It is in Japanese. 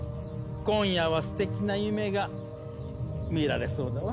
今夜はすてきな夢が見られそうだわ。